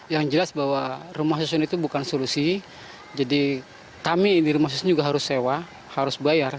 yang jelas bahwa rumah susun itu bukan solusi jadi kami di rumah susun juga harus sewa harus bayar